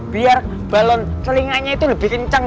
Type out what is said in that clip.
biar balon telinganya itu lebih kencang